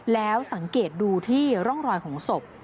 แล้วสังเกตดูที่ร่องรอยของศพ